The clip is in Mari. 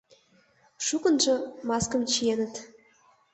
Шукынжо маскым чиеныт.